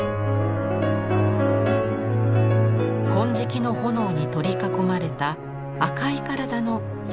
金色の炎に取り囲まれた赤い体の日本武尊。